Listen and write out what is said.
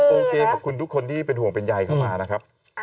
โอเคขอบคุณทุกคนที่เป็นห่วงเป็นใยเข้ามานะครับ